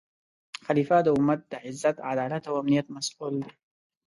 خلیفه د امت د عزت، عدالت او امنیت مسؤل دی